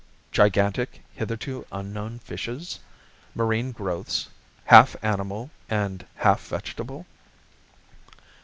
Gigantic, hitherto unknown fishes? Marine growths, half animal and half vegetable?